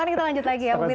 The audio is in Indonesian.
akhirnya kita lanjut lagi ya